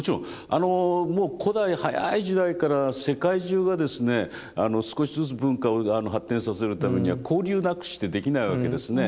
あのもう古代早い時代から世界中がですね少しずつ文化を発展させるためには交流なくしてできないわけですね。